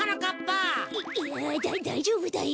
いやだだいじょうぶだよ。